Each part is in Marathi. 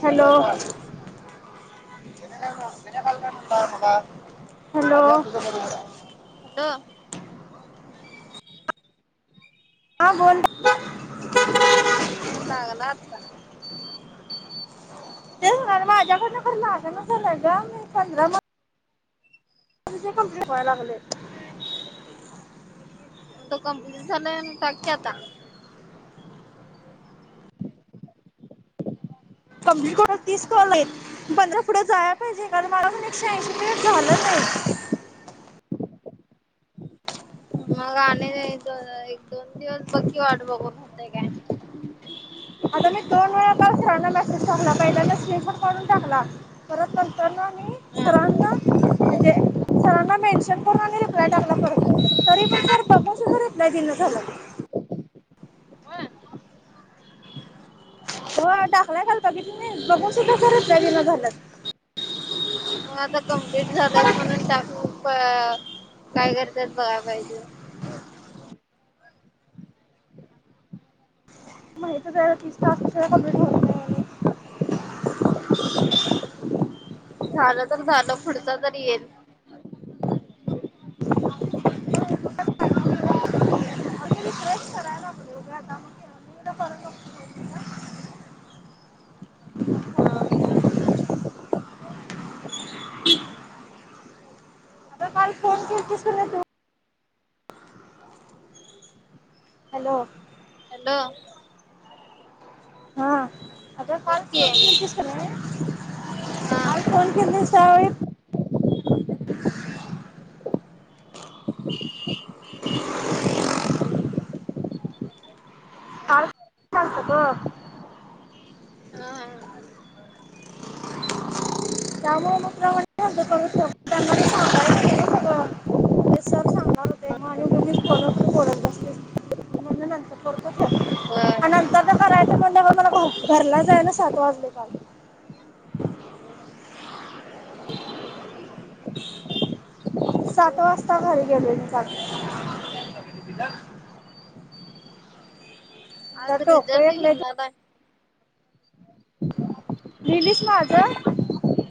हॅलो. हॅलो. हॅलो. हां बोल. [inaudible] हां लागला आता. तेच ना आणि माझ्या कडनं खर लागे ना झालय जाम हे. [unintelligible] तुझे कॉम्प्लेट व्हाय लागले. म तो कम्प्लीट झालायं ना टाके कि आता. कम्प्ली करून तीस कॉल आहेत. पंधरा पुढं जाय पाहिजे कारण मला पण एकशऐंशी [inaudible] झालं नाही. मग आणि ते एक दोन एक दोन दिवस बघ कि वाट बघून होतंय काय? तर मी दोन वेळा काल सरांना मेसेज टाकला पहिल्यांदा स्क्रीनशॉट काढून टाकला परत नंतर ना मी ह सरांना म्हणजे सरांना मेन्शन करून आणि रिप्लाय टाकला परत तरी पण सर बघून सुद्धा रिप्लाय दीयना झालय. हा टाकलाय काल बघितलं नाही बघून सुद्धा सर रिप्लाय देइना झाल्यात. मग आता कमप्लीट झालंयस म्हणून टाकू क काय करत्यात बघा पाहिजे. माहितच आहे ह्या तीस टास्क शियावू कम्प्लीट होत नाही आणि झालं तर झालं पुढचं तरी येईल. होय. [unintelligible] [unintelligible] [inaudible] आता काल पो. [unintelligible] हॅलो. हॅलो. ह अगं काल बोल [inaudible] की गेलतीस. नाय हा आई फोन केलीस. [unintelligible] ताक सगळं हा त्यामुळे मग मित्र म्हणजे. [unintelligible] अरे सर सांगणार होते मग आणि [unintelligible] फोनवर बोलत बसतेस. म्हणजे नंतर करतो फोन. होय. आ नंतर न करायचं म्हणलं तर मला घर घरला जायला सात वाजले काल. सात वाजता घरी गेलं मी काल. तर आज डोकं रिझल्ट एक घेऊन लय दु- घेणार आहे. लिहिलीस माझं?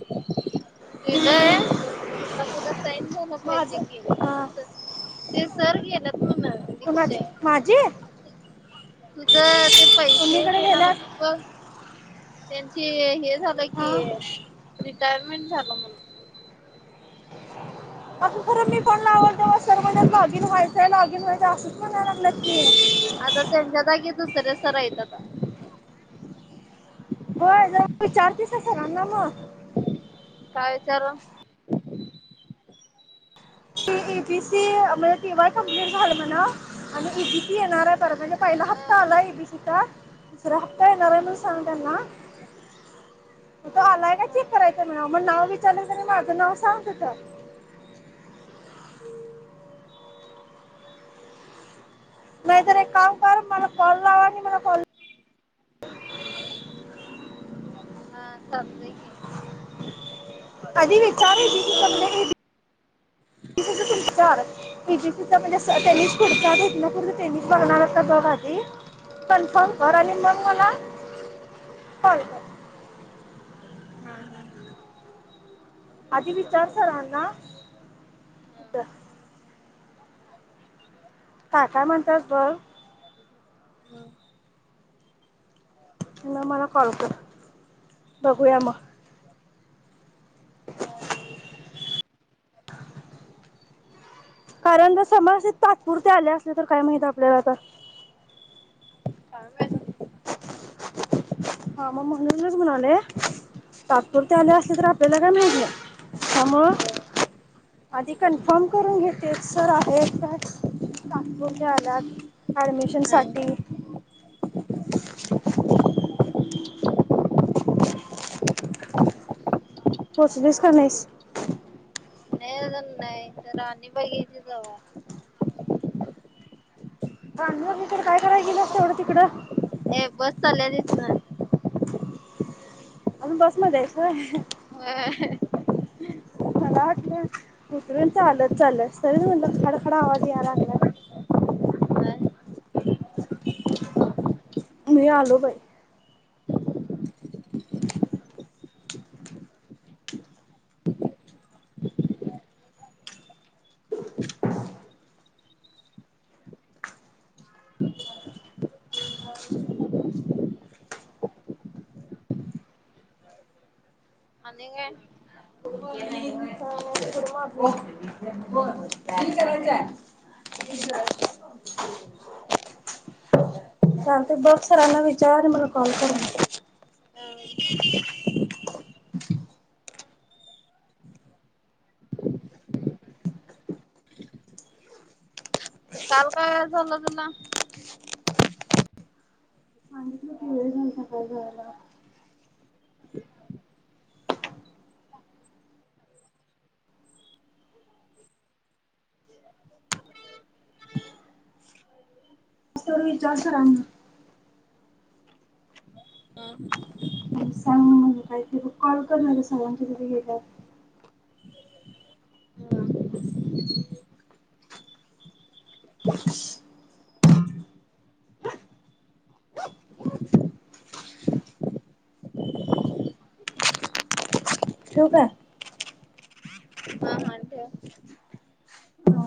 लिहलंय आता पुन्हा साईन घ्याला माझं पाहिजे की हां असं ते सर गेल्यात. कुणाची माझी [unintelligible] [unintelligible] तुझं ते पैसे कुणीकडे देणार गेल्यात होतेतं बघ त्यांची ये हे झालंय हां की रिटायरमेंट झालं म्हण असं खरं मी फोन लावत्या तेव्हा म सर म्हणल्यात लॉगिन व्हायचंय लॉगिन व्हायचंय असंच म्हणय लागल्यात की. तर त्यांच्या जागी दुसऱ्या सर आहेत आता. होय जाऊन विचार तिसी सराना मग? काय विचारू एबीसी म्हणजे टी वाय कम्प्लेंट झालं म्हणाव आणि एबीसी येणार आहे परत म्हणजे पहिला ह हप्ता आला आहे एबीसीचा दुसरा हप्ता येणार आहे म्हणून सांग त्यांना तो आलाय का ह चेक करायचं म्हणावं मग नाव विचारलं तर माझं नाव सांग तिथं नाही तर एक काम कर मला कॉल लाव आणि मला कॉल हा चालतंय कि आधी विचारलं [inaudible] [unintelligible] ते बघणार हा तर बघा आधी कन्फर्म कर आणि मग ह मला कॉल कर. हा हा आधी विचार सरांना कुठं? काय काय म्हणतात बघ मग मग मला कॉल कर बघूया मग कारण जर समस्या तात्पुरते आले असले तर काय माहित आपल्याला आता. का माहीत आता? हा मग म्हणूनच म्हणालोय तात्पुरते आले असले तर आपल्याला काय माहित नाही त्यामुंळ आधी कन्फर्म करून घे तेच सर आहेत का तात्पुरते आल्यात नाही ऍडमिशनसाठी नाही पोचलीस का नाहीस? [unintelligible] राणी बागेकडे तिकडं काय करायला गेलीयस तेवढं तिकडं ये बस चालल्या तिथनं अजून बसमध्ये हायस व्हयं होय मला वाटलं उतरून चालत चाली तरीच म्हणलं खडखडा आवाज यायला लागलाय. आम्ही आलो बाई आणि काय गुड मॉर्निंग [unintelligible] [inaudible] चालतंय बघ सरांना विचार मला कॉल कर. हम्म काल काय झालं तुला? सांगितलो कि वेळ झालंता काल जायाला. तु विचार सरांना तुला सांग म्हण काय ते कॉल करणार सरांच्या तिथं गेल्यावर ठेऊ का [unintelligible] हा.